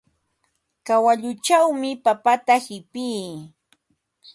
Kawalluchawmi papata qipii.